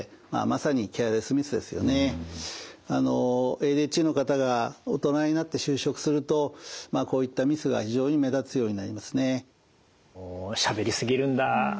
ＡＤＨＤの方が大人になって就職するとまあこういったミスが非常に目立つようになりますね。